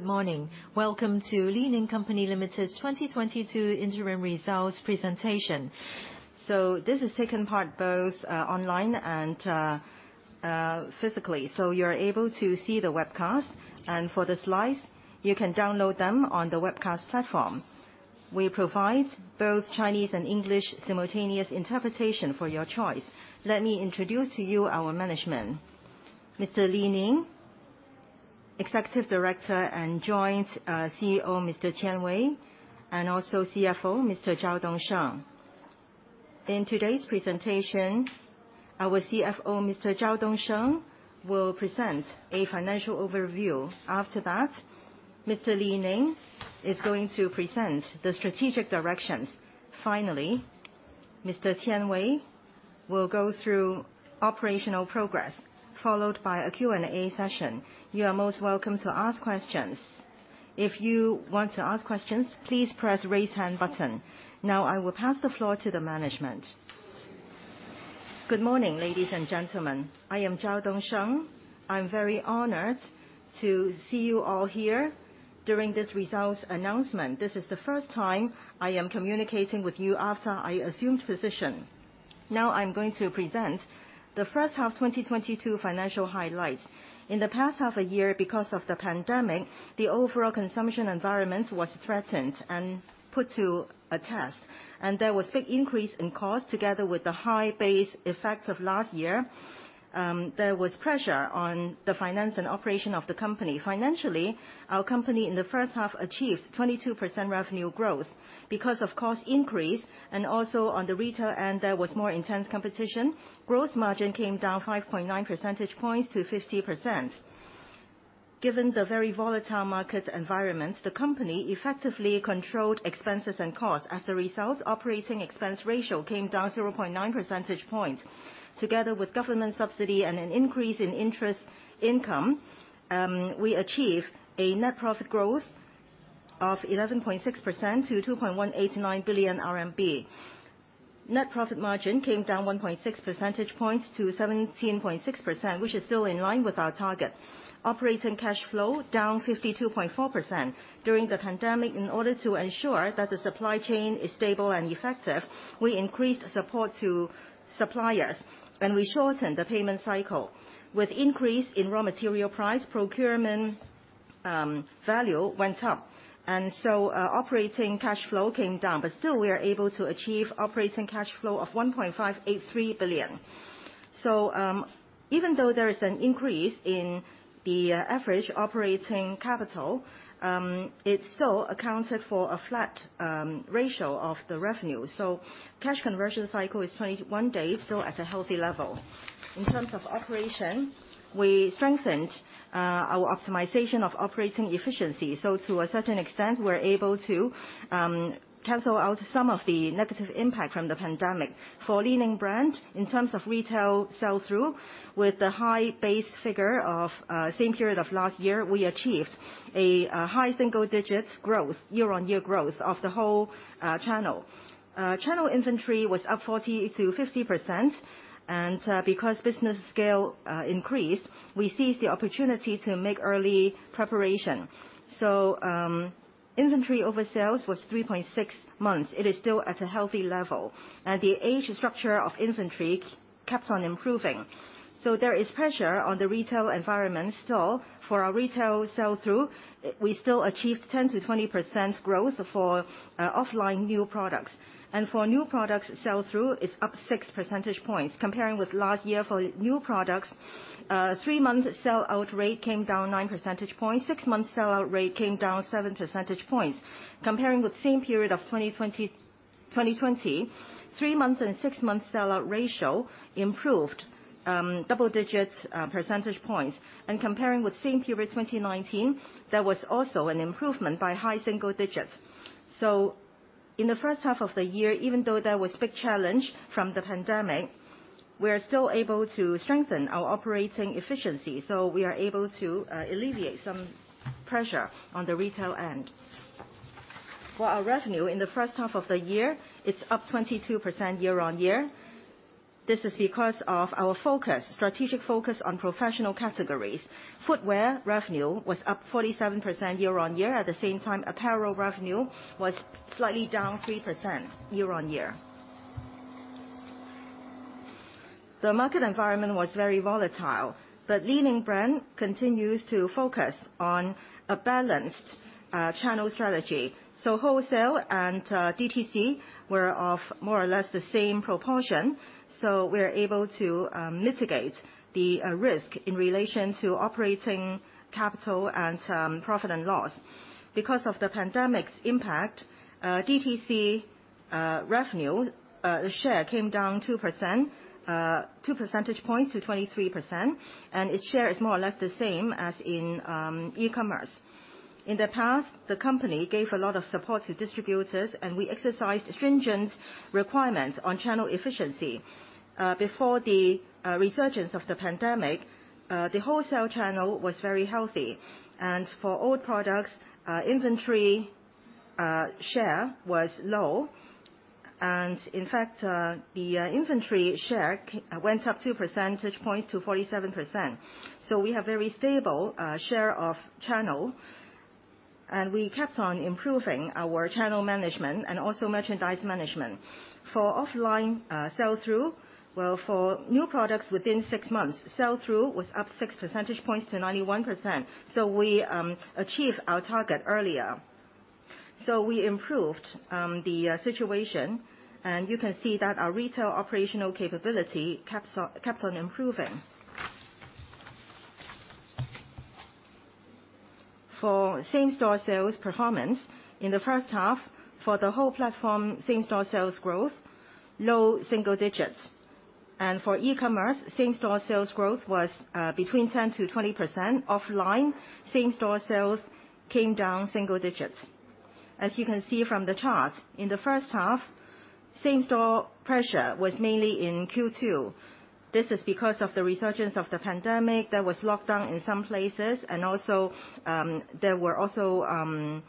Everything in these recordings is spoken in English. Good morning. Welcome to Li Ning Company Limited's 2022 interim results presentation. This is taking part both, online and, physically, so you're able to see the webcast. For the slides, you can download them on the webcast platform. We provide both Chinese and English simultaneous interpretation for your choice. Let me introduce to you our management. Mr. Li Ning, Executive Director; and Joint CEO, Mr. Qian Wei; and also CFO, Mr. Zhao Dongsheng. In today's presentation, our CFO, Mr. Zhao Dongsheng, will present a financial overview. After that, Mr. Li Ning is going to present the strategic directions. Finally, Mr. Qian Wei will go through operational progress, followed by a Q&A session. You are most welcome to ask questions. If you want to ask questions, please press Raise Hand button. Now I will pass the floor to the management. Good morning, ladies and gentlemen. I am Zhao Dongsheng. I'm very honored to see you all here during this results announcement. This is the first time I am communicating with you after I assumed position. Now I'm going to present the first half 2022 financial highlights. In the past half a year, because of the pandemic, the overall consumption environment was threatened and put to a test, and there was big increase in cost. Together with the high base effects of last year, there was pressure on the finance and operation of the company. Financially, our company in the first half achieved 22% revenue growth. Because of cost increase and also on the retail, and there was more intense competition, gross margin came down 5.9 percentage points to 50%. Given the very volatile market environment, the company effectively controlled expenses and costs. As a result, operating expense ratio came down 0.9 percentage points. Together with government subsidy and an increase in interest income, we achieved a net profit growth of 11.6% to 2.189 billion RMB. Net profit margin came down 1.6 percentage points to 17.6%, which is still in line with our target. Operating cash flow down 52.4%. During the pandemic, in order to ensure that the supply chain is stable and effective, we increased support to suppliers and we shortened the payment cycle. With increase in raw material price, procurement value went up, and so, operating cash flow came down. Still, we are able to achieve operating cash flow of 1.583 billion. Even though there is an increase in the average operating capital, it still accounted for a flat ratio of the revenue. Cash conversion cycle is 21 days, still at a healthy level. In terms of operation, we strengthened our optimization of operating efficiency. To a certain extent, we're able to cancel out some of the negative impact from the pandemic. For Li-Ning brand, in terms of retail sell-through with the high base figure of same period of last year, we achieved a high single digits growth, year-on-year growth of the whole channel. Channel inventory was up 40%-50%. Because business scale increased, we seized the opportunity to make early preparation. Inventory over sales was 3.6 months. It is still at a healthy level. The age structure of inventory kept on improving. There is pressure on the retail environment still. For our retail sell-through, we still achieved 10%-20% growth for offline new products. For new products sell-through, it's up 6 percentage points. Comparing with last year for new products, three-month sell-out rate came down 9 percentage points. Six-month sell-out rate came down 7 percentage points. Comparing with same period of 2020, three-month and six-month sell-out ratio improved double digits percentage points. Comparing with same period 2019, there was also an improvement by high single digits. In the first half of the year, even though there was big challenge from the pandemic, we are still able to strengthen our operating efficiency, so we are able to alleviate some pressure on the retail end. For our revenue in the first half of the year, it's up 22% year-on-year. This is because of our focus, strategic focus on professional categories. Footwear revenue was up 47% year-on-year. At the same time, apparel revenue was slightly down 3% year-on-year. The market environment was very volatile, but Li-Ning brand continues to focus on a balanced channel strategy. Wholesale and DTC were of more or less the same proportion. We're able to mitigate the risk in relation to operating capital and profit and loss. Because of the pandemic's impact, DTC revenue share came down 2%, two percentage points to 23%. Its share is more or less the same as in e-commerce. In the past, the company gave a lot of support to distributors, and we exercised stringent requirements on channel efficiency. Before the resurgence of the pandemic, the wholesale channel was very healthy. For old products, inventory share was low. In fact, the inventory share went up 2 percentage points to 47%. We have very stable share of channel, and we kept on improving our channel management and also merchandise management. For offline sell-through, well, for new products within six months, sell-through was up 6 percentage points to 91%. We achieved our target earlier. We improved the situation, and you can see that our retail operational capability kept on improving. For same-store sales performance, in the first half, for the whole platform, same-store sales growth, low single digits. For e-commerce, same-store sales growth was between 10%-20%. Offline, same-store sales came down single digits. As you can see from the chart, in the first half, same-store pressure was mainly in Q2. This is because of the resurgence of the pandemic. There was lockdown in some places and also, there were also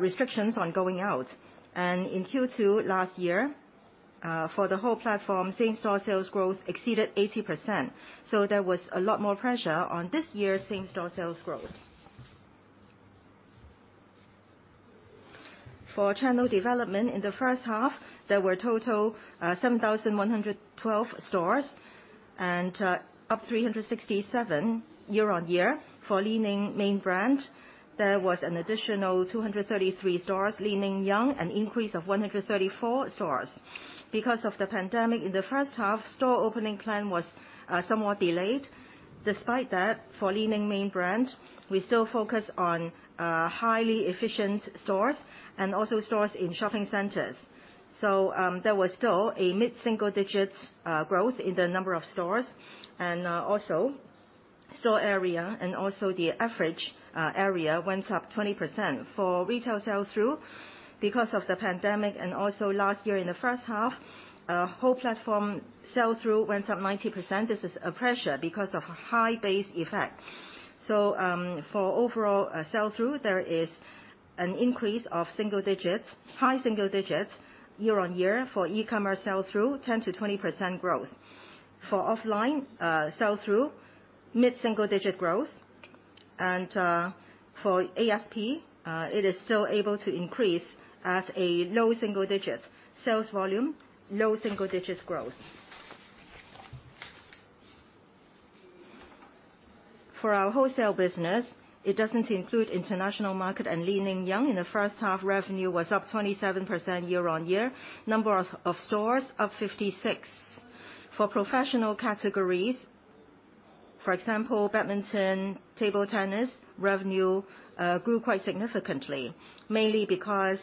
restrictions on going out. In Q2 last year, for the whole platform, same-store sales growth exceeded 80%. So there was a lot more pressure on this year's same-store sales growth. For channel development in the first half, there were total 7,112 stores and up 367 year-on-year for Li-Ning main brand. There was an additional 233 stores, Li-Ning Young, an increase of 134 stores. Because of the pandemic in the first half, store opening plan was somewhat delayed. Despite that, for Li-Ning main brand, we still focus on highly efficient stores and also stores in shopping centers. There was still a mid-single-digit growth in the number of stores. Also store area, and also the average area went up 20%. For retail sell-through, because of the pandemic, and also last year in the first half, whole platform sell-through went up 90%. This is a pressure because of high base effect. For overall sell-through, there is an increase of single digits, high single digits year-on-year. For e-commerce sell-through, 10%-20% growth. For offline sell-through, mid-single-digit growth. For ASP, it is still able to increase at a low single digits. Sales volume, low single digits growth. For our wholesale business, it doesn't include international market and Li-Ning Young. In the first half, revenue was up 27% year-on-year. Number of stores up 56. For professional categories, for example, badminton, table tennis, revenue grew quite significantly, mainly because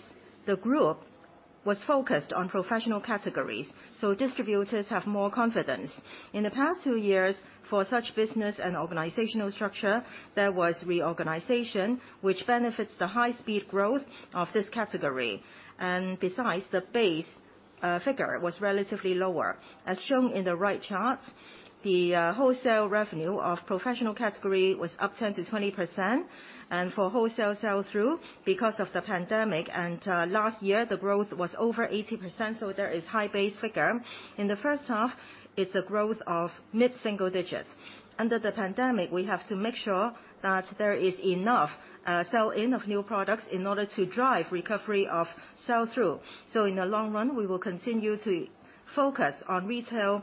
the group was focused on professional categories, so distributors have more confidence. In the past two years, for such business and organizational structure, there was reorganization which benefits the high speed growth of this category. Besides, the base figure was relatively lower. As shown in the right chart, the wholesale revenue of professional category was up 10%-20%. For wholesale sell-through, because of the pandemic, last year the growth was over 80%, so there is high base figure. In the first half, it's a growth of mid-single digits. Under the pandemic, we have to make sure that there is enough sell-in of new products in order to drive recovery of sell-through. In the long run, we will continue to focus on retail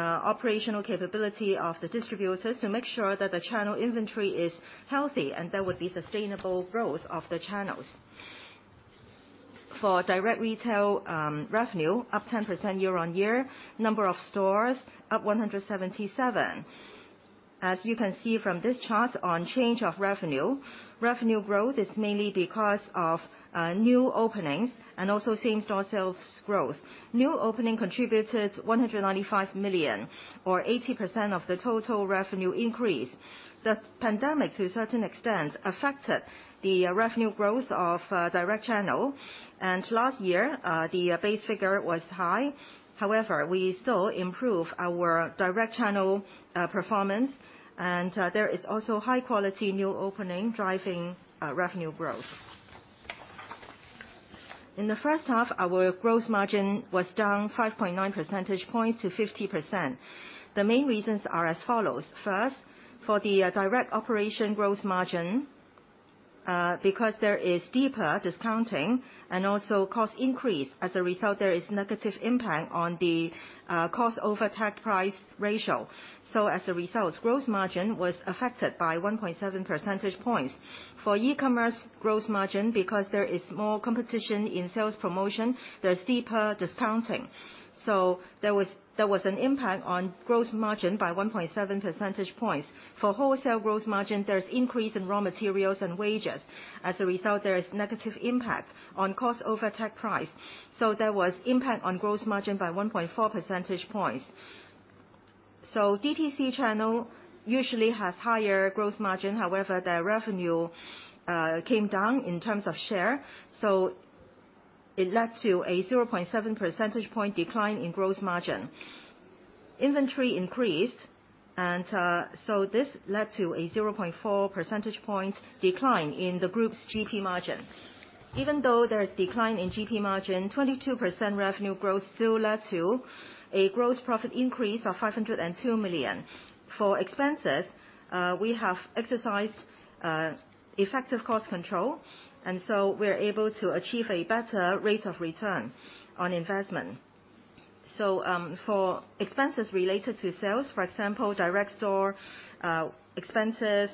operational capability of the distributors to make sure that the channel inventory is healthy and there will be sustainable growth of the channels. For direct retail, revenue up 10% year-on-year, number of stores up 177. As you can see from this chart on change of revenue growth is mainly because of new openings and also same-store sales growth. New opening contributed 195 million or 80% of the total revenue increase. The pandemic, to a certain extent, affected the revenue growth of direct channel. Last year, the base figure was high. However, we still improve our direct channel performance, and there is also high-quality new opening driving revenue growth. In the first half, our gross margin was down 5.9 percentage points to 50%. The main reasons are as follows. First, for the direct operation gross margin, because there is deeper discounting and also cost increase. As a result, there is negative impact on the cost over tag price ratio. As a result, gross margin was affected by 1.7 percentage points. For e-commerce gross margin, because there is more competition in sales promotion, there's deeper discounting. There was an impact on gross margin by 1.7 percentage points. For wholesale gross margin, there's increase in raw materials and wages. As a result, there is negative impact on cost over tag price. There was impact on gross margin by 1.4 percentage points. DTC channel usually has higher gross margin. However, their revenue came down in terms of share. It led to a 0.7 percentage point decline in gross margin. Inventory increased, and this led to a 0.4 percentage point decline in the group's GP margin. Even though there is decline in GP margin, 22% revenue growth still led to a gross profit increase of 502 million. For expenses, we have exercised effective cost control, and we are able to achieve a better rate of return on investment. For expenses related to sales, for example, direct store expenses,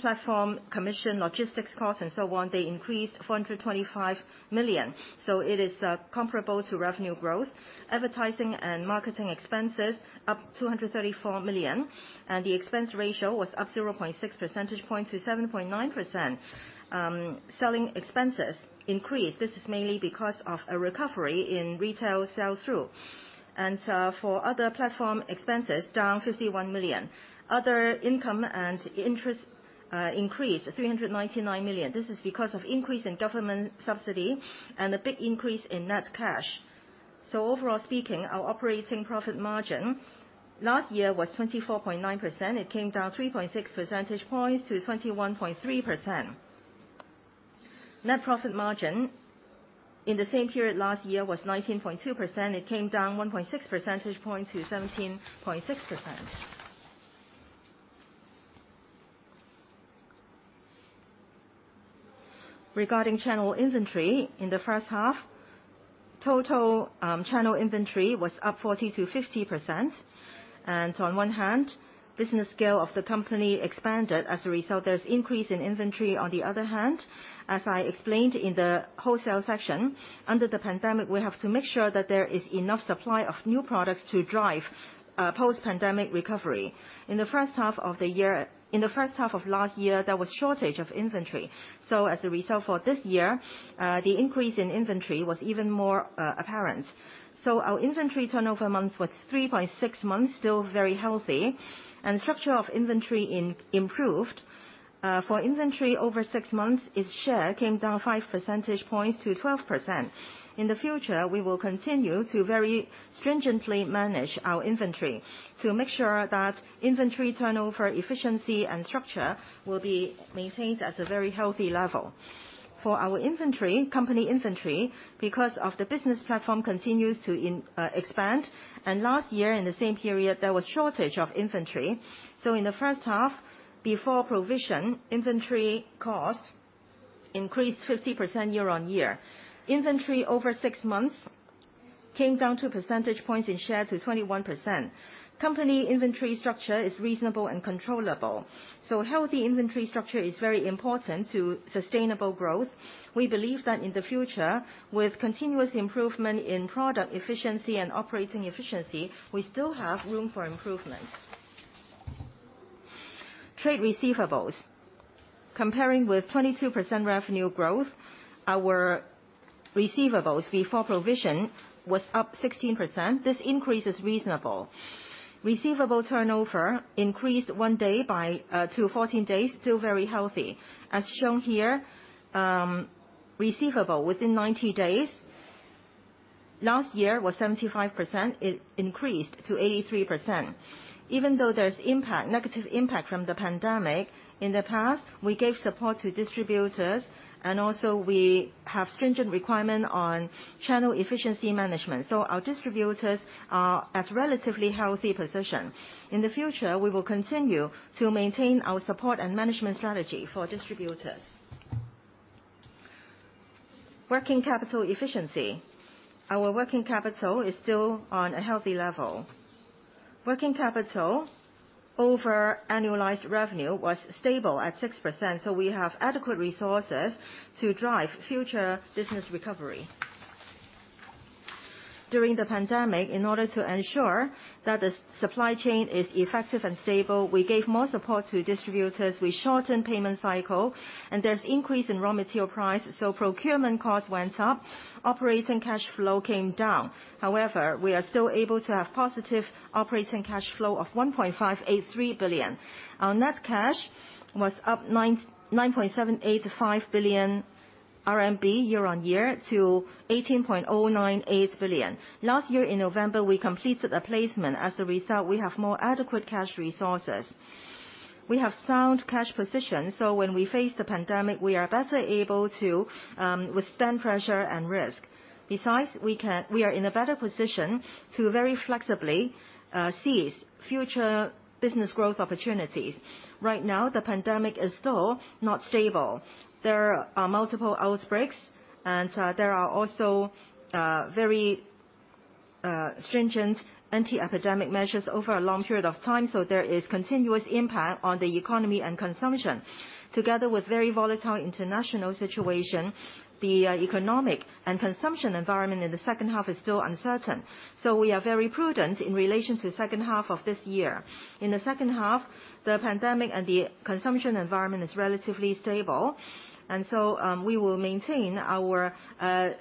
platform commission, logistics cost and so on, they increased 425 million. It is comparable to revenue growth. Advertising and marketing expenses up 234 million, and the expense ratio was up 0.6 percentage point to 7.9%. Selling expenses increased. This is mainly because of a recovery in retail sell-through. For other platform expenses, down 51 million. Other income and interest increased 399 million. This is because of an increase in government subsidy and a big increase in net cash. Overall speaking, our operating profit margin last year was 24.9%. It came down 3.6 percentage points to 21.3%. Net profit margin in the same period last year was 19.2%. It came down 1.6 percentage point to 17.6%. Regarding channel inventory, in the first half, total channel inventory was up 40%-50%. On one hand, business scale of the company expanded. As a result, there's increase in inventory. On the other hand, as I explained in the wholesale section, under the pandemic, we have to make sure that there is enough supply of new products to drive post-pandemic recovery. In the first half of last year, there was shortage of inventory. So as a result for this year, the increase in inventory was even more apparent. So our inventory turnover months was 3.6 months, still very healthy. Structure of inventory improved. For inventory over six months, its share came down 5 percentage points to 12%. In the future, we will continue to very stringently manage our inventory to make sure that inventory turnover efficiency and structure will be maintained at a very healthy level. For our inventory, company inventory, because of the business platform continues to expand, and last year in the same period, there was shortage of inventory. In the first half, before provision, inventory cost increased 50% year-on-year. Inventory over six months came down 2 percentage points in share to 21%. Company inventory structure is reasonable and controllable. Healthy inventory structure is very important to sustainable growth. We believe that in the future, with continuous improvement in product efficiency and operating efficiency, we still have room for improvement. Trade receivables. Comparing with 22% revenue growth, our receivables before provision was up 16%. This increase is reasonable. Receivable turnover increased by one day to 14 days, still very healthy. As shown here, receivable within 90 days last year was 75%. It increased to 83%. Even though there's negative impact from the pandemic, in the past, we gave support to distributors and also we have stringent requirement on channel efficiency management. Our distributors are at relatively healthy position. In the future, we will continue to maintain our support and management strategy for distributors. Working capital efficiency. Our working capital is still on a healthy level. Working capital over annualized revenue was stable at 6%, so we have adequate resources to drive future business recovery. During the pandemic, in order to ensure that the supply chain is effective and stable, we gave more support to distributors. We shortened payment cycle and there's increase in raw material price, so procurement cost went up. Operating cash flow came down. However, we are still able to have positive operating cash flow of 1.583 billion. Our net cash was up 9.785 billion RMB year-over-year to 18.098 billion. Last year in November, we completed a placement. As a result, we have more adequate cash resources. We have sound cash position, so when we face the pandemic, we are better able to withstand pressure and risk. Besides, we are in a better position to very flexibly seize future business growth opportunities. Right now, the pandemic is still not stable. There are multiple outbreaks, and there are also very stringent anti-epidemic measures over a long period of time, so there is continuous impact on the economy and consumption. Together with very volatile international situation, the economic and consumption environment in the second half is still uncertain. We are very prudent in relation to the second half of this year. In the second half, the pandemic and the consumption environment is relatively stable. We will maintain our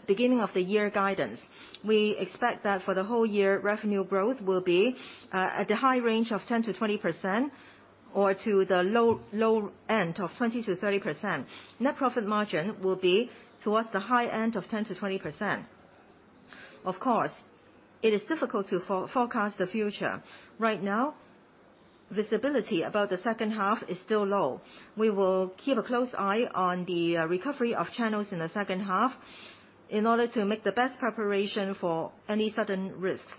beginning of the year guidance. We expect that for the whole year, revenue growth will be at the high range of 10%-20%. To the low, low end of 20%-30%. Net profit margin will be towards the high end of 10%-20%. Of course, it is difficult to forecast the future. Right now, visibility about the second half is still low. We will keep a close eye on the recovery of channels in the second half in order to make the best preparation for any sudden risks.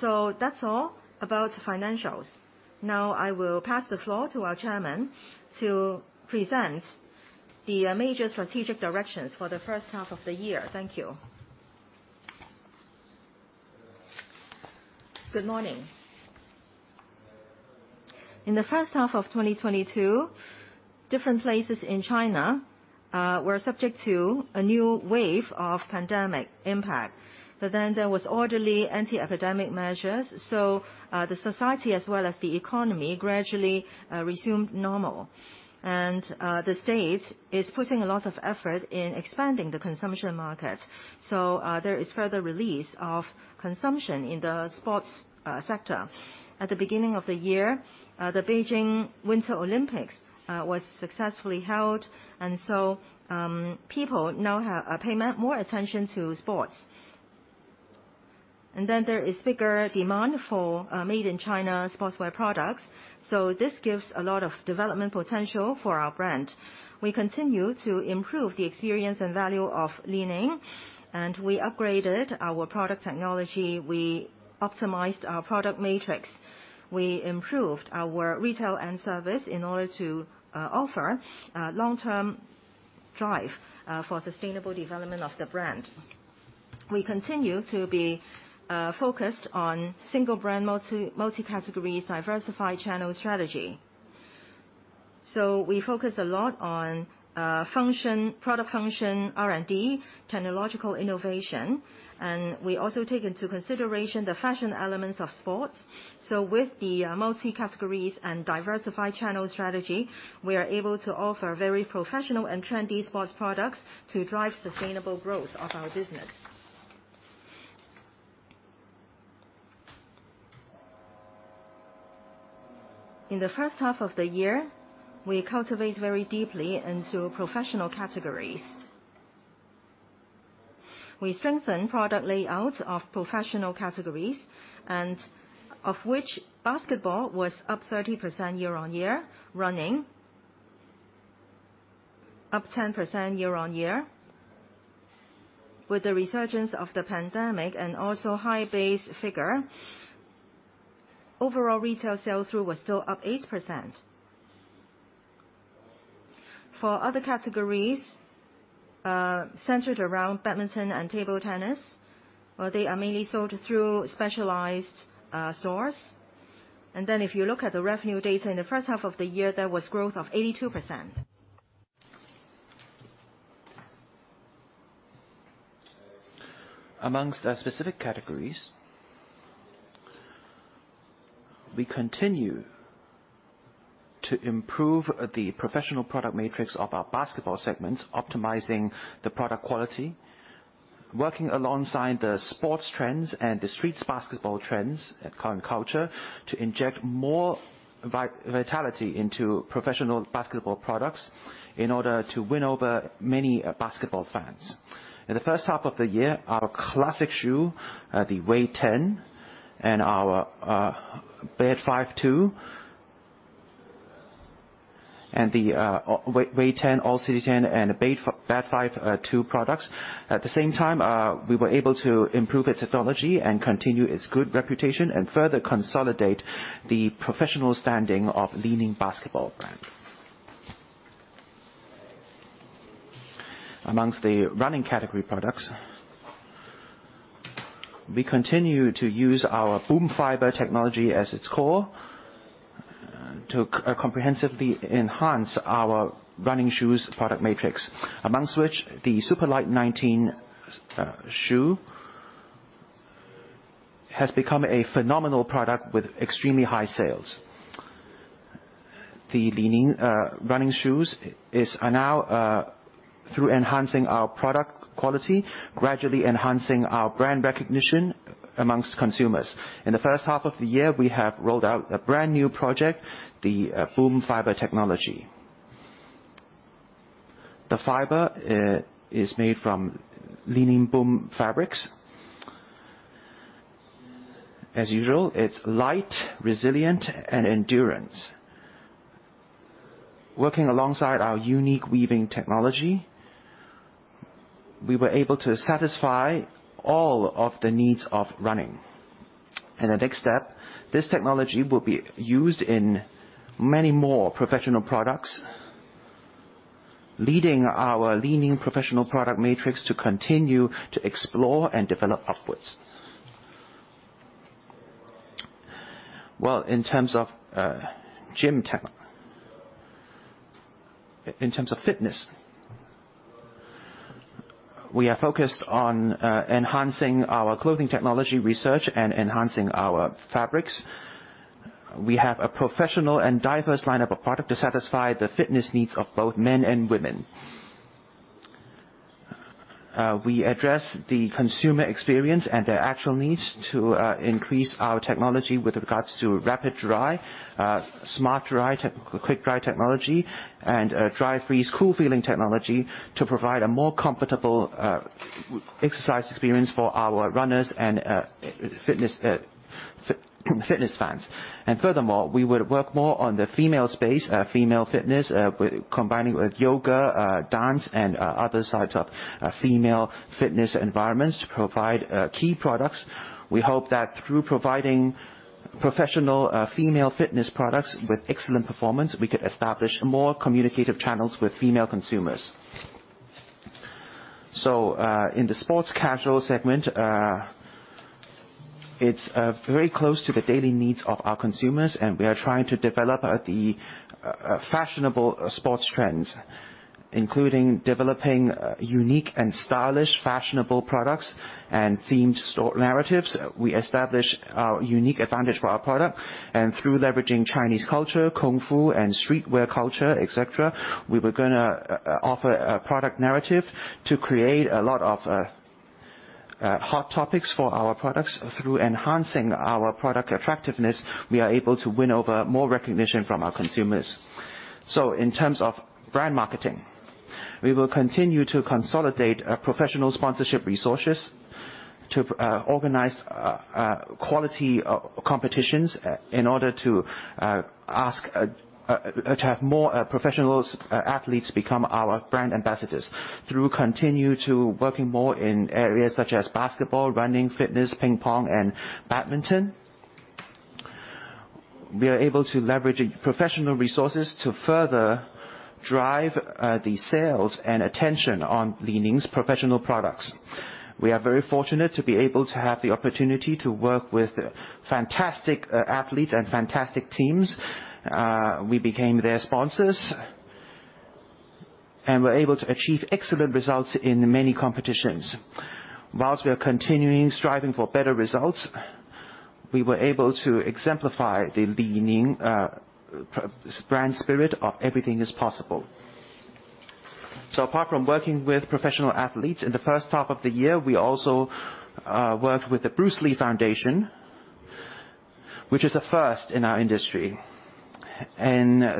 That's all about financials. Now I will pass the floor to our chairman to present the major strategic directions for the first half of the year. Thank you. Good morning. In the first half of 2022, different places in China were subject to a new wave of pandemic impact. There was orderly anti-epidemic measures, so the society as well as the economy gradually resumed normal. The state is putting a lot of effort in expanding the consumption market, so there is further release of consumption in the sports sector. At the beginning of the year, the Beijing Winter Olympics was successfully held, and people now pay more attention to sports. There is bigger demand for made in China sportswear products. This gives a lot of development potential for our brand. We continue to improve the experience and value of Li-Ning, and we upgraded our product technology, we optimized our product matrix. We improved our retail end service in order to offer a long-term drive for sustainable development of the brand. We continue to be focused on single brand multi-categories diversified channel strategy. We focus a lot on function, product function, R&D, technological innovation, and we also take into consideration the fashion elements of sports. With the multi-categories and diversified channel strategy, we are able to offer very professional and trendy sports products to drive sustainable growth of our business. In the first half of the year, we cultivate very deeply into professional categories. We strengthen product layouts of professional categories and of which basketball was up 30% year-on-year, running up 10% year-on-year. With the resurgence of the pandemic and also high base figure, overall retail sell-through was still up 8%. For other categories, centered around badminton and table tennis, well, they are mainly sold through specialized stores. If you look at the revenue data in the first half of the year, there was growth of 82%. Among the specific categories, we continue to improve the professional product matrix of our basketball segments, optimizing the product quality, working alongside the sports trends and the street basketball trends and current culture to inject more vitality into professional basketball products in order to win over many basketball fans. In the first half of the year, our classic shoe, the Way of Wade 10 and our Badfive 2 and the Way of Wade 10, All City 10 and Badfive 2 products. At the same time, we were able to improve its technology and continue its good reputation and further consolidate the professional standing of Li-Ning basketball brand. Among the running category products, we continue to use our Boom Fiber technology as its core, to comprehensively enhance our running shoes product matrix. Among which the Superlight 19 shoe has become a phenomenal product with extremely high sales. The Li-Ning running shoes are now through enhancing our product quality, gradually enhancing our brand recognition among consumers. In the first half of the year, we have rolled out a brand new project, the Boom Fiber technology. The fiber is made from Li-Ning Boom Fabrics. As usual, it's light, resilient, and endurance. Working alongside our unique weaving technology, we were able to satisfy all of the needs of running. In the next step, this technology will be used in many more professional products, leading our Li-Ning professional product matrix to continue to explore and develop upwards. Well, in terms of fitness, we are focused on enhancing our clothing technology research and enhancing our fabrics. We have a professional and diverse lineup of product to satisfy the fitness needs of both men and women. We address the consumer experience and their actual needs to increase our technology with regards to rapid dry, smart dry, quick dry technology, and dry freeze cool feeling technology to provide a more comfortable exercise experience for our runners and fitness fans. Furthermore, we would work more on the female space, female fitness, combining with yoga, dance, and other sides of female fitness environments to provide key products. We hope that through providing professional female fitness products with excellent performance, we could establish more communicative channels with female consumers. In the sports casual segment, it's very close to the daily needs of our consumers, and we are trying to develop the fashionable sports trends, including developing unique and stylish fashionable products and themed store narratives. We establish our unique advantage for our product, and through leveraging Chinese culture, kung fu and streetwear culture, et cetera, we were gonna offer a product narrative to create a lot of hot topics for our products. Through enhancing our product attractiveness, we are able to win over more recognition from our consumers. In terms of brand marketing, we will continue to consolidate professional sponsorship resources to organize quality competitions in order to attract more professional athletes to become our brand ambassadors. Through continuing to work more in areas such as basketball, running, fitness, ping pong and badminton, we are able to leverage professional resources to further drive the sales and attention on Li-Ning's professional products. We are very fortunate to be able to have the opportunity to work with fantastic athletes and fantastic teams. We became their sponsors and were able to achieve excellent results in many competitions. While we are continuing to strive for better results, we were able to exemplify the Li-Ning brand spirit of everything is possible. Apart from working with professional athletes in the first half of the year, we also worked with the Bruce Lee Foundation, which is a first in our industry.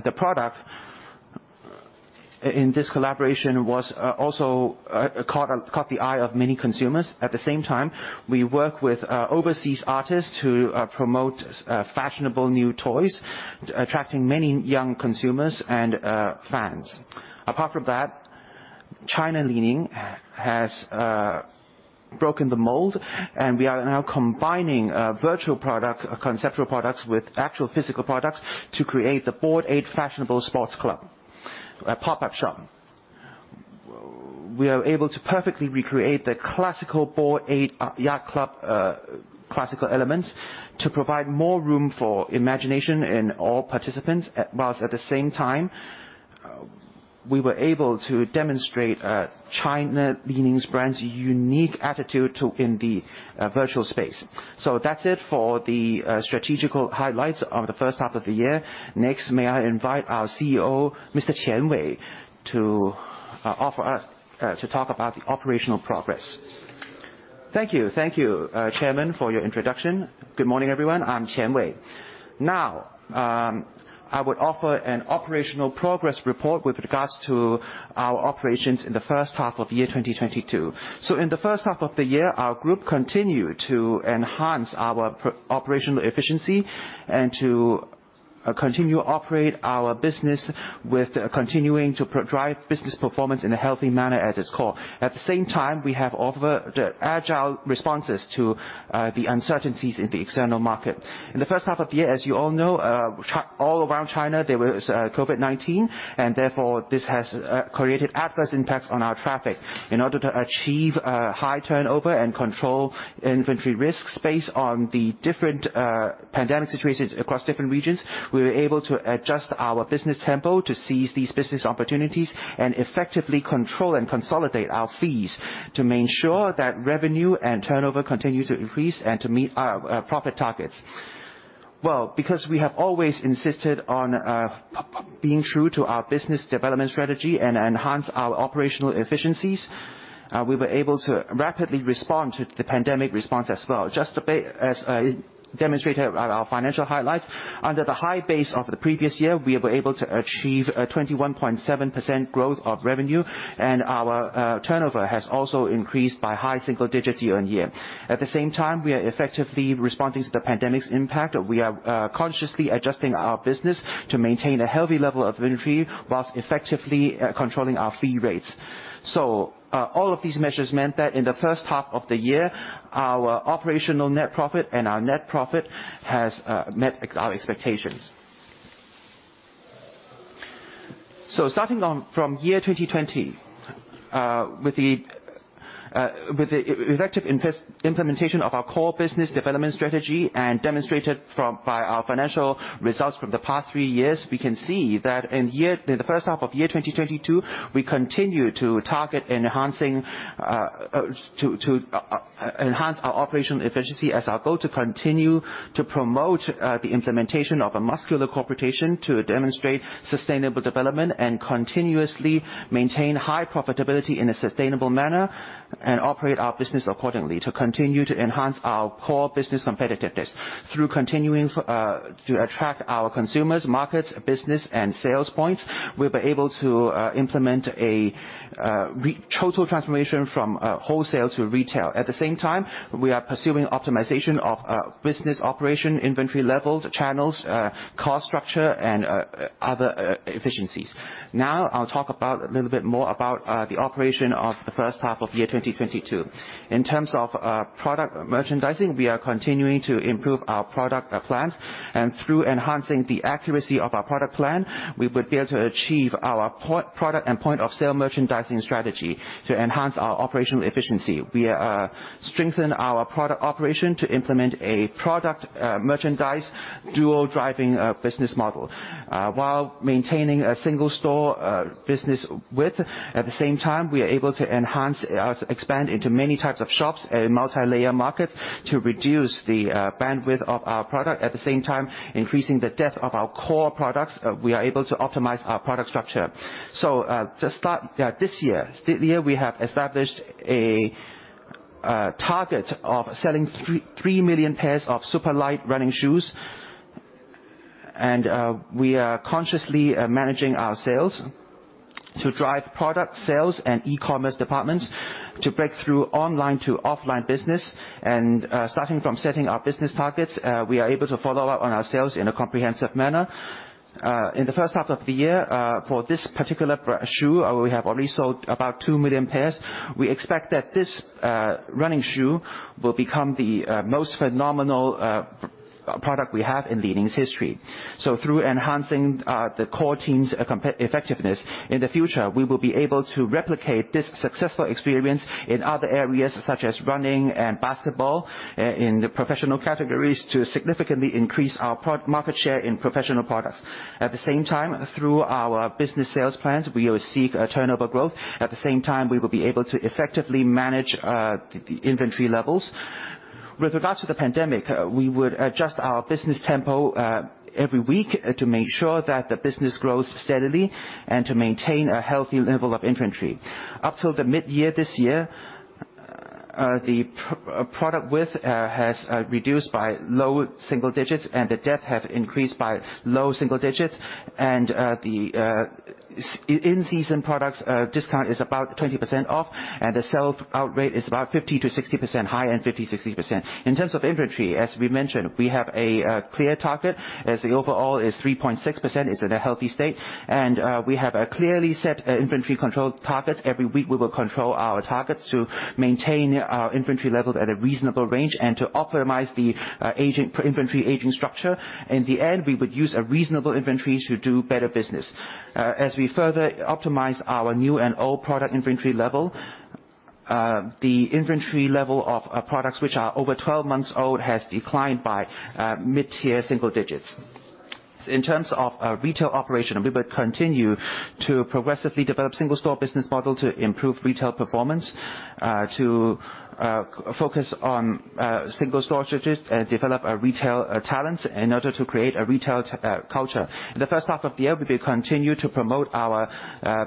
The product in this collaboration was also caught the eye of many consumers. At the same time, we work with overseas artists to promote fashionable new toys, attracting many young consumers and fans. Apart from that, China Li-Ning has broken the mold and we are now combining virtual product, conceptual products with actual physical products to create the Bored Ape Fashionable Sports Club, a pop-up shop. We are able to perfectly recreate the classical Bored Ape Yacht Club classical elements to provide more room for imagination in all participants, while at the same time, we were able to demonstrate China Li-Ning's brand's unique attitude in the virtual space. That's it for the strategic highlights of the first half of the year. Next, may I invite our CEO, Mr. Qian Wei, to talk about the operational progress. Thank you. Thank you, Chairman, for your introduction. Good morning, everyone. I'm Qian Wei. Now, I would offer an operational progress report with regards to our operations in the first half of 2022. In the first half of the year, our group continued to enhance our operational efficiency and to continue to operate our business with continuing to drive business performance in a healthy manner at its core. At the same time, we have offered agile responses to the uncertainties in the external market. In the first half of the year, as you all know, all around China, there was COVID-19 and therefore, this has created adverse impacts on our traffic. In order to achieve high turnover and control inventory risks based on the different pandemic situations across different regions, we were able to adjust our business tempo to seize these business opportunities and effectively control and consolidate our fees to ensure that revenue and turnover continue to increase and to meet our profit targets. Well, because we have always insisted on being true to our business development strategy and enhance our operational efficiencies, we were able to rapidly respond to the pandemic response as well. Just a bit, as I demonstrated at our financial highlights, under the high base of the previous year, we were able to achieve a 21.7% growth of revenue, and our turnover has also increased by high single digits year-on-year. At the same time, we are effectively responding to the pandemic's impact. We are consciously adjusting our business to maintain a healthy level of inventory while effectively controlling our fee rates. All of these measures meant that in the first half of the year, our operational net profit and our net profit has met our expectations. Starting from year 2020, with the effective implementation of our core business development strategy and demonstrated by our financial results from the past three years, we can see that in the first half of year 2022, we continue to target to enhance our operational efficiency as our goal to continue to promote the implementation of a muscular corporation to demonstrate sustainable development and continuously maintain high profitability in a sustainable manner and operate our business accordingly to continue to enhance our core business competitiveness. Through continuing to attract our consumers, markets, business and sales points, we've been able to implement a total transformation from wholesale to retail. At the same time, we are pursuing optimization of business operation, inventory levels, channels, cost structure and other efficiencies. Now, I'll talk about a little bit more about the operation of the first half of 2022. In terms of product merchandising, we are continuing to improve our product plans. Through enhancing the accuracy of our product plan, we would be able to achieve our product and point of sale merchandising strategy to enhance our operational efficiency. We strengthen our product operation to implement a product merchandise dual driving business model. While maintaining a single store business width, at the same time, we are able to enhance expand into many types of shops and multilayer markets to reduce the bandwidth of our product. At the same time, increasing the depth of our core products, we are able to optimize our product structure. To start this year. This year we have established a target of selling 3 million pairs of Superlight running shoes. We are consciously managing our sales to drive product sales and e-commerce departments to break through online to offline business. Starting from setting our business targets, we are able to follow up on our sales in a comprehensive manner. In the first half of the year, for this particular shoe, we have already sold about 2 million pairs. We expect that this running shoe will become the most phenomenal product we have in Li-Ning's history. Through enhancing the core team's effectiveness, in the future, we will be able to replicate this successful experience in other areas, such as running and basketball, in the professional categories to significantly increase our market share in professional products. At the same time, through our business sales plans, we will seek a turnover growth. At the same time, we will be able to effectively manage the inventory levels. With regards to the pandemic, we would adjust our business tempo every week to make sure that the business grows steadily and to maintain a healthy level of inventory. Up till the mid-year this year, the product width has reduced by low single digits and the depth have increased by low single digits. The in-season products discount is about 20% off, and the sell-out rate is about 50%-60%, high-end 50%, 60%. In terms of inventory, as we mentioned, we have a clear target, as the overall is 3.6%, it's at a healthy state. We have a clearly set inventory control target. Every week, we will control our targets to maintain our inventory levels at a reasonable range and to optimize the aging, inventory aging structure. In the end, we would use a reasonable inventory to do better business. As we further optimize our new and old product inventory level, the inventory level of products which are over 12 months old has declined by mid-single digits. In terms of our retail operation, we will continue to progressively develop single store business model to improve retail performance, to focus on single store strategies and develop our retail talents in order to create a retail culture. In the first half of the year, we will continue to promote our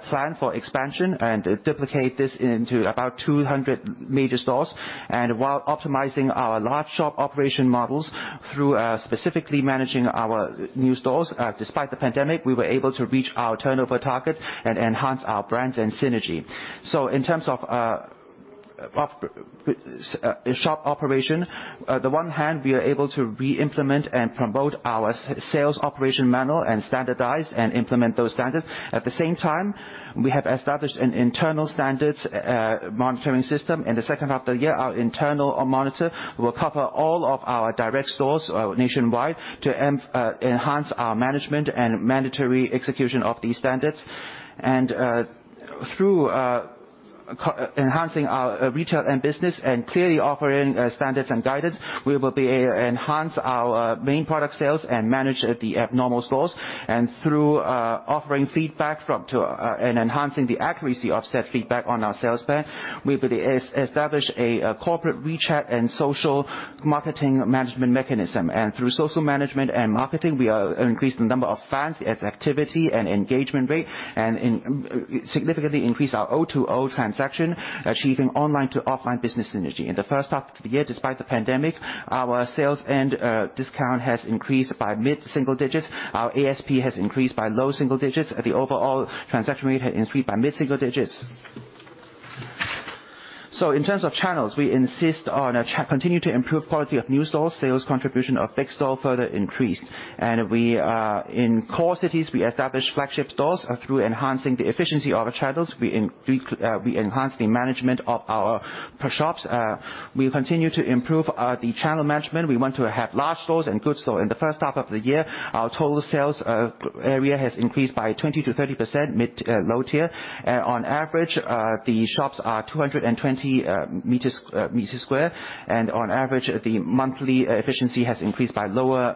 plan for expansion and duplicate this into about 200 major stores. While optimizing our large shop operation models through specifically managing our new stores, despite the pandemic, we were able to reach our turnover target and enhance our brands and synergy. In terms of shop operation, on the one hand we are able to re-implement and promote our sales operation manual and standardize and implement those standards. At the same time, we have established an internal standards monitoring system. In the second half of the year, our internal monitor will cover all of our direct stores nationwide to enhance our management and mandatory execution of these standards. Through enhancing our retail business and clearly offering standards and guidance, we will be able to enhance our main product sales and manage the abnormal stores. Through offering feedback from to and enhancing the accuracy of said feedback on our sales plan, we will establish a corporate WeChat and social marketing management mechanism. Through social management and marketing, we are increasing the number of fans, its activity and engagement rate, and significantly increase our O2O transaction, achieving online to offline business synergy. In the first half of the year, despite the pandemic, our sales-end discount has increased by mid-single digits. Our ASP has increased by low single digits. The overall transaction rate has increased by mid-single digits. In terms of channels, we insist on continue to improve quality of new store sales contribution of big store further increased. In core cities, we established flagship stores through enhancing the efficiency of the channels. We enhanced the management of our shops. We continue to improve the channel management. We want to have large stores and good store. In the first half of the year, our total sales area has increased by 20%-30% mid- to low-tier. On average, the shops are 220 m². On average, the monthly efficiency has increased by low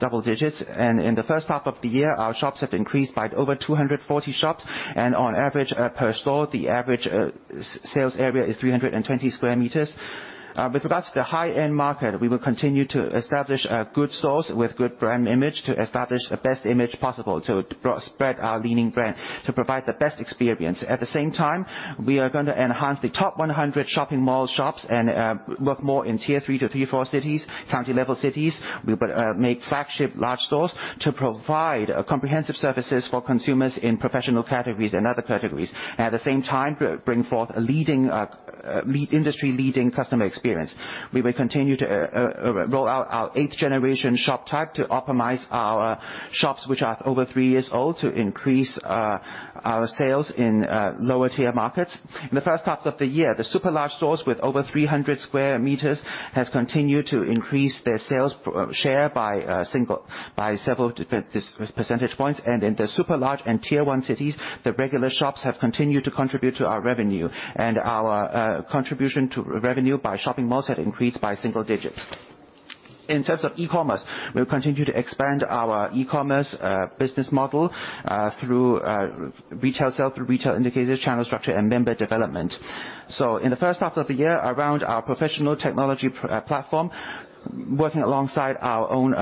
double digits. In the first half of the year, our shops have increased by over 240 shops. On average, per store, the average sales area is 320 m². With regards to the high-end market, we will continue to establish good stores with good brand image to establish the best image possible to spread our leading brand, to provide the best experience. At the same time, we are gonna enhance the top 100 shopping mall shops and work more in Tier 3 to Tier 4 cities, county level cities. We will make flagship large stores to provide comprehensive services for consumers in professional categories and other categories. At the same time, bring forth a leading industry-leading customer experience. We will continue to roll out our eighth generation shop type to optimize our shops which are over three years old to increase our sales in lower tier markets. In the first half of the year, the super large stores with over 300 m² has continued to increase their sales share by several percentage points. In the super large and Tier 1 cities, the regular shops have continued to contribute to our revenue. Our contribution to revenue by shopping malls have increased by single-digit. In terms of e-commerce, we'll continue to expand our e-commerce business model through retail sell-through retail indicators, channel structure, and member development. In the first half of the year, around our professional technology platform, working alongside our own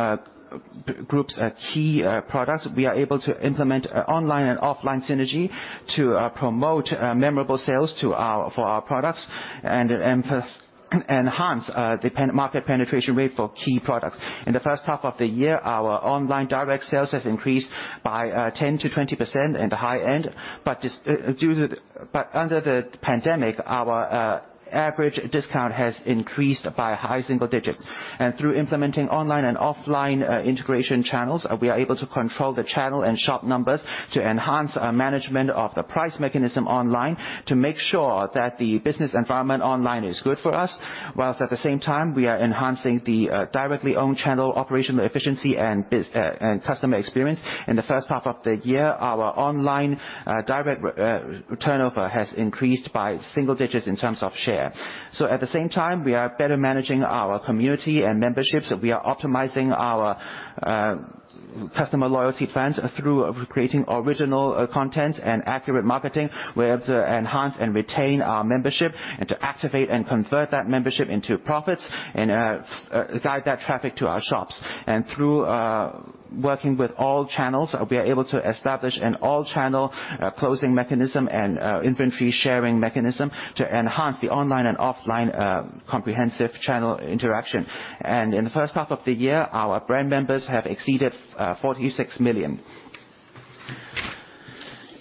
group's key products, we are able to implement online and offline synergy to promote member sales for our products and enhance the market penetration rate for key products. In the first half of the year, our online direct sales has increased by 10%-20% in the high end. Under the pandemic, our average discount has increased by high single-digit. Through implementing online and offline integration channels, we are able to control the channel and shop numbers to enhance our management of the price mechanism online to make sure that the business environment online is good for us, while at the same time we are enhancing the directly owned channel operational efficiency and customer experience. In the first half of the year, our online direct turnover has increased by single digits in terms of share. At the same time, we are better managing our community and memberships. We are optimizing our customer loyalty fans through creating original content and accurate marketing. We have to enhance and retain our membership and to activate and convert that membership into profits, and guide that traffic to our shops. Through working with all channels, we are able to establish an all-channel closing mechanism and inventory sharing mechanism to enhance the online and offline comprehensive channel interaction. In the first half of the year, our brand members have exceeded 46 million.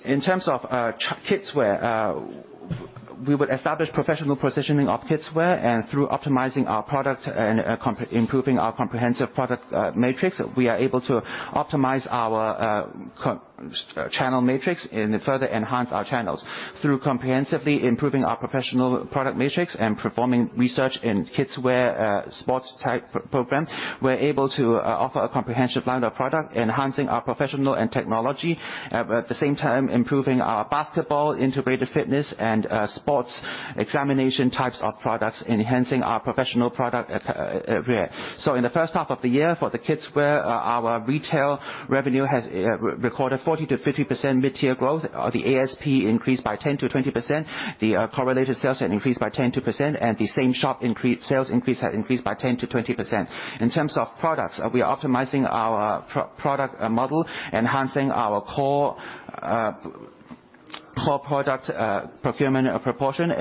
In terms of kidswear, we would establish professional positioning of kidswear and through optimizing our product and improving our comprehensive product matrix, we are able to optimize our channel matrix and further enhance our channels. Through comprehensively improving our professional product matrix and performing research in kidswear sports type program, we're able to offer a comprehensive line of product, enhancing our professional and technology. At the same time, improving our basketball, integrated fitness, and sports examination types of products, enhancing our professional product career. In the first half of the year for the kidswear, our retail revenue has recorded 40%-50% mid-teens growth. The ASP increased by 10%-20%. The correlated sales had increased by 10%, and the same shop increase had increased by 10%-20%. In terms of products, we are optimizing our product model, enhancing our core product procurement proportion,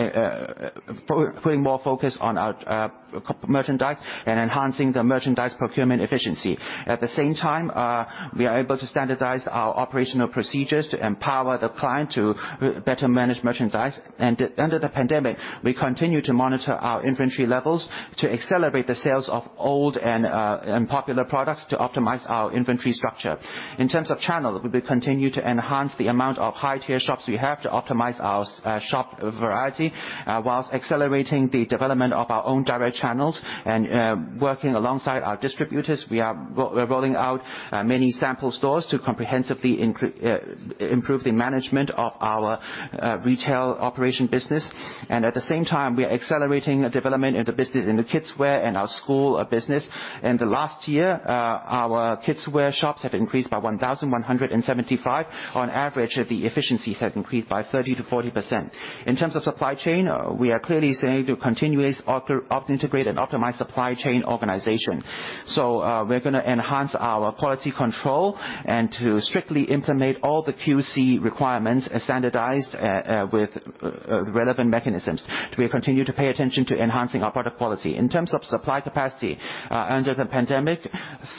focusing more on our merchandise and enhancing the merchandise procurement efficiency. At the same time, we are able to standardize our operational procedures to empower the client to better manage merchandise. Under the pandemic, we continue to monitor our inventory levels to accelerate the sales of old and unpopular products to optimize our inventory structure. In terms of channel, we will continue to enhance the amount of high-tier shops we have to optimize our shop variety while accelerating the development of our own direct channels. Working alongside our distributors, we are rolling out many sample stores to comprehensively improve the management of our retail operation business. At the same time, we are accelerating the development of the business in the kidswear and our school business. In the last year, our kidswear shops have increased by 1,175. On average, the efficiency has increased by 30%-40%. In terms of supply chain, we are continuing to integrate and optimize supply chain organization. We're gonna enhance our quality control and to strictly implement all the QC requirements as standardized, with relevant mechanisms. We continue to pay attention to enhancing our product quality. In terms of supply capacity, under the pandemic,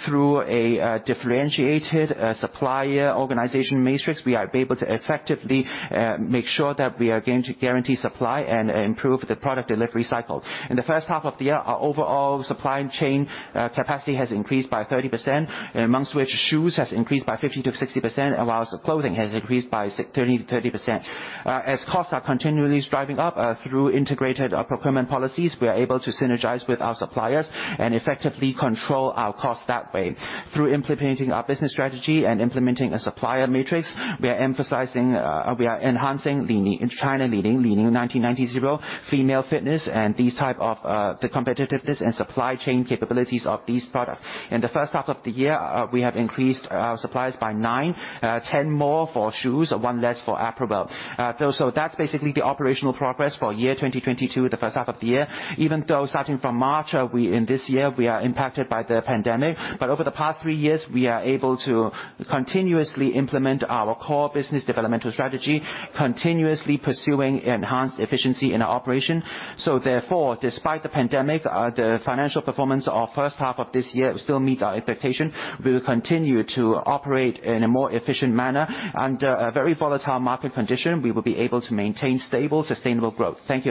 through a differentiated supplier organization matrix, we are able to effectively make sure that we are guarantee supply and improve the product delivery cycle. In the first half of the year, our overall supply chain capacity has increased by 30%, among which shoes has increased by 50%-60%, while clothing has increased by 30% percent. As costs are continuously driving up, through integrated procurement policies, we are able to synergize with our suppliers and effectively control our costs that way. Through implementing our business strategy and implementing a supplier matrix, we are emphasizing, we are enhancing Li-Ning in China Li-Ning 1990 female fitness and these type of, the competitiveness and supply chain capabilities of these products. In the first half of the year, we have increased our suppliers by nine, 10 more for shoes, one less for apparel. That's basically the operational progress for year 2022, the first half of the year. Even though starting from March, in this year, we are impacted by the pandemic, but over the past three years, we are able to continuously implement our core business developmental strategy, continuously pursuing enhanced efficiency in our operation. Therefore, despite the pandemic, the financial performance of first half of this year still meets our expectation. We will continue to operate in a more efficient manner. Under a very volatile market condition, we will be able to maintain stable, sustainable growth. Thank you.